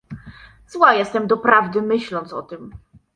Zła jestem doprawdy, myśląc o tym.